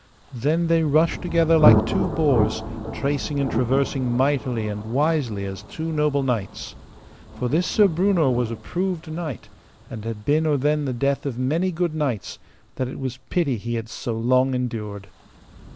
Then they rushed together like two boars, tracing and traversing mightily and wisely as two noble knights. For this Sir Breunor was a proved knight, and had been or then the death of many good knights, that it was pity that he had so long endured.